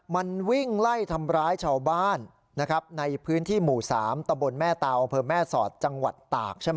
มันวิ่งไล่ทำร้ายชาวบ้านนะครับในพื้นที่หมู่๓ตะบนแม่เตาอำเภอแม่สอดจังหวัดตากใช่ไหม